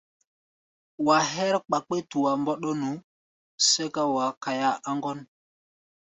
Wa hɛ́r kpakpé-tua mbɔ́ɗɔ́nu, sɛ́ká wa kaia á ŋgɔ́n.